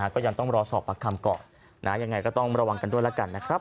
ก็ยังต้องรอสอบปากคำก่อนยังไงก็ต้องระวังกันด้วยแล้วกันนะครับ